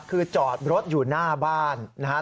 คือจอดรถอยู่หน้าบ้านนะครับ